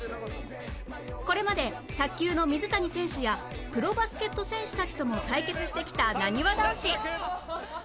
これまで卓球の水谷選手やプロバスケット選手たちとも対決してきたなにわ男子